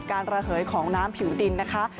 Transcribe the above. ระเหยของน้ำผิวดินนะคะ